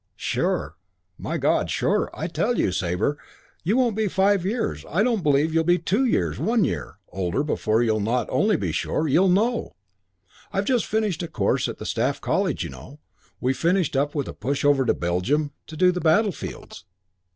"Sure? My God, sure? I tell you, Sabre, you won't be five years, I don't believe you'll be two years, one year, older before you'll not only be sure you'll know! I've just finished a course at the Staff College, you know. We finished up with a push over to Belgium to do the battlefields.